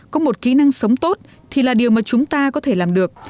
có một kỹ năng sống tốt thì là điều mà chúng ta có thể làm được